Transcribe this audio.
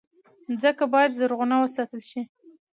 مځکه باید زرغونه وساتل شي.